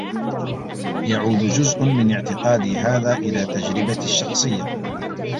يعود جزء من اعتقادي هذا إلى تجربتي الشخصية.